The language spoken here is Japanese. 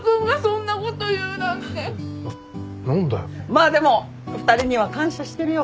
まあでも２人には感謝してるよ